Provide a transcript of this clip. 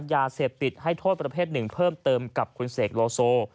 ยาเสพติดให้โทษประเภทหนึ่งเพิ่มเติมกับคุณเสกโลโซ